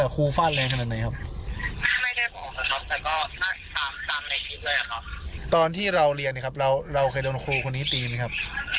รุนแรงขนาดนี้ไหมครับ